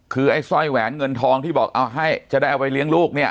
คือไอ้สร้อยแหวนเงินทองที่บอกเอาให้จะได้เอาไปเลี้ยงลูกเนี่ย